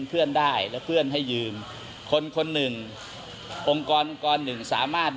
เพื่อนได้แล้วเพื่อนให้ยืมคนคนหนึ่งองค์กรองค์กรหนึ่งสามารถ